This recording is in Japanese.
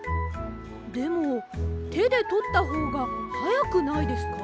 でもてでとったほうがはやくないですか？